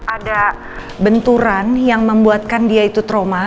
ada benturan yang membuatkan dia itu trauma